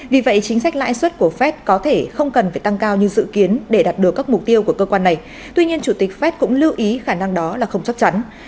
vì vậy chính sách lãi suất của fed có thể không cần phải tăng cao như dự kiến để đạt được các mục tiêu của cơ quan này tuy nhiên chủ tịch fed cũng lưu ý khả năng đó là không chắc chắn